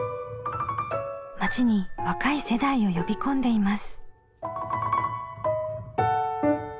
町に若い世代を呼び込んでいます。